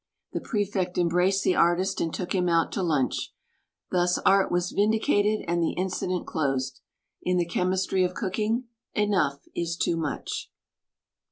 The Prefect embraced the artist and took him out to lunch. Thus art was vindicated and the incident closed. In the chemistry of cooking, "enough is too much."